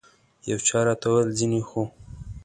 یو چا راته وویل ځینې خو.